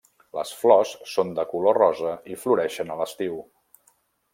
Les flors són de color rosa i floreixen a l'estiu.